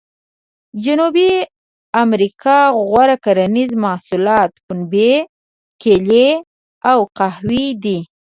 جنوبي امریکا غوره کرنیز محصولات پنبې، کېلې او قهوې دي.